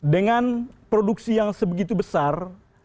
dengan produksi yang sebegitu besar